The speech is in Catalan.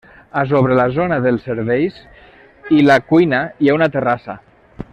A sobre la zona de serveis i la cuina hi ha una terrassa.